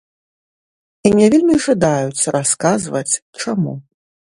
І не вельмі жадаюць расказваць, чаму.